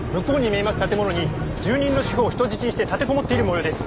建物に住人の主婦を人質にして立てこもっている模様です。